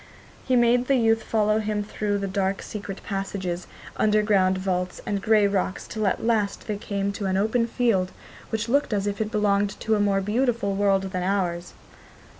He made the youth follow him through dark secret passages, underground vaults, and grey rocks till at last they came to an open field, which looked as if it belonged to a more beautiful world than ours.